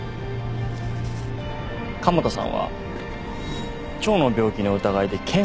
加茂田さんは腸の病気の疑いで検査してたんです。